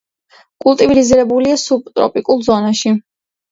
კულტივირებულია სუბტროპიკულ ზონაში.